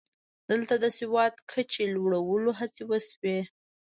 دلته د سواد کچې لوړولو هڅې وشوې